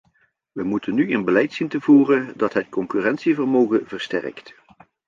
We moeten nu een beleid zien te voeren dat het concurrentievermogen versterkt.